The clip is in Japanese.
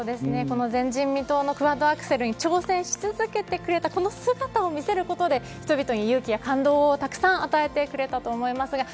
この前人未到のクワッドアクセルに挑戦し続けてくれたこの姿を見せることで人々に勇気や感動をたくさん与えてくれたと思います。